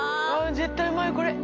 絶対うまいこれ。